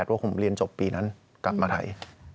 ว่าผมเรียนจบปีนั้นกลับมาไทย